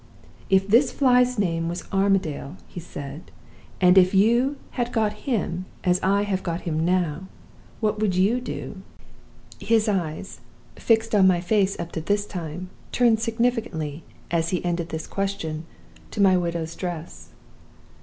"'If this fly's name was Armadale,' he said, 'and if you had got him as I have got him now, what would you do?' "His eyes, fixed on my face up to this time, turned significantly, as he ended this question, to my widow's dress.